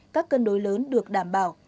các cân đối lớn được đảm bảo